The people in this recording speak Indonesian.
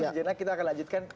sebenarnya kita akan lanjutkan